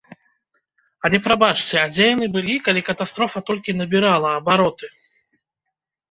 Але прабачце, а дзе яны былі, калі катастрофа толькі набірала абароты?